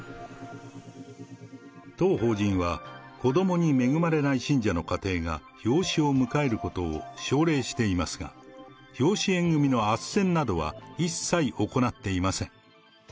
当法人は子どもに恵まれない信者の家庭が養子を迎えることを奨励していますが、養子縁組のあっせんなどは一切行っていません。